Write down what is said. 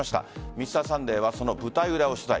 「Ｍｒ．サンデー」はその舞台裏を取材。